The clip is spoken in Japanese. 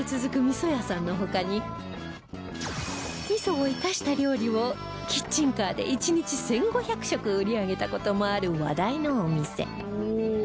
味を生かした料理をキッチンカーで１日１５００食売り上げた事もある話題のお店